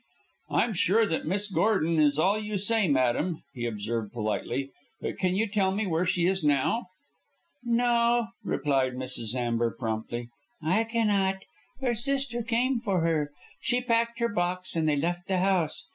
"I am sure that Miss Gordon is all you say, madam," he observed politely. "But can you tell me where she now is?" "No," replied Mrs. Amber, promptly, "I can not. Her sister came for her. She packed her box and they left the house.